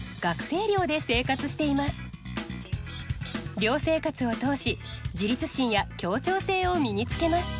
寮生活を通し自立心や協調性を身につけます。